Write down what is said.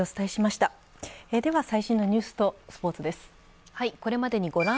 最新ニュースとスポーツです。